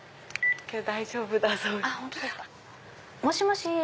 もしもし。